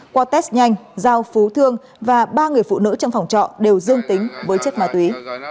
qua test nhanh giao phú thương và ba người phụ nữ trong phòng trọ đều dương tính với chất ma túy